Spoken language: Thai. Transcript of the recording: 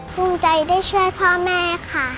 ภูมิใจได้ช่วยพ่อแม่ค่ะ